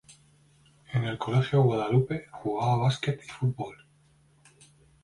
En el Colegio Guadalupe jugaba básquet y fútbol.